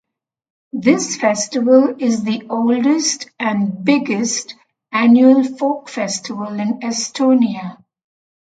This festival is the oldest and biggest annual folk festival in Estonia.